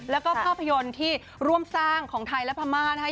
แล้วก็ภาพยนตร์ที่ร่วมสร้างของไทยและพม่านะคะ